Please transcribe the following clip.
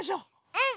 うん！